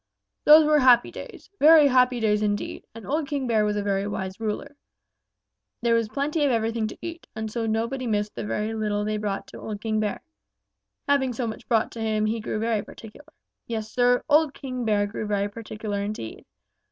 "Those were happy days, very happy days indeed, and old King Bear was a very wise ruler. There was plenty of everything to eat, and so nobody missed the little they brought to old King Bear. Having so much brought to him, he grew very particular. Yes, Sir, old King Bear grew very particular indeed.